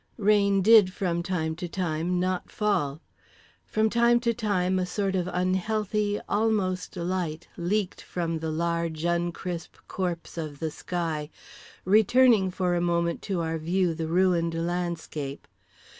Rain did, from time to time, not fall: from time to time a sort of unhealthy almost light leaked from the large uncrisp corpse of the sky, returning for a moment to our view the ruined landscape.